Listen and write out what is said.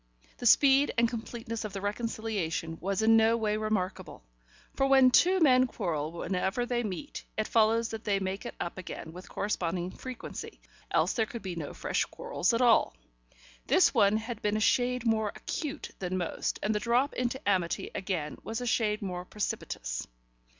The speed and completeness of the reconciliation was in no way remarkable, for when two men quarrel whenever they meet, it follows that they make it up again with corresponding frequency, else there could be no fresh quarrels at all. This one had been a shade more acute than most, and the drop into amity again was a shade more precipitous.